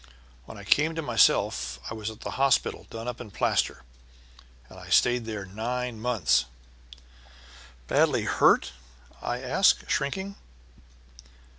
When I came to myself I was at the hospital done up in plaster, and I stayed there nine months." "Badly hurt?" I asked, shrinking.